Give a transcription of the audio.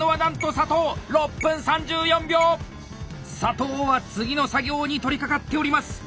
佐藤は次の作業に取りかかっております！